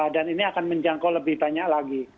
dan ini akan menjangkau lebih banyak lagi